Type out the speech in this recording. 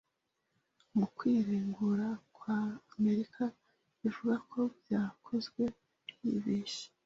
Mu kwiregura kwa Amerika ivuga ko byakozwe yibeshye.